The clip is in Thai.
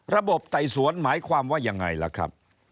ระบบไต่สวนหมายความว่าอย่างไรครับ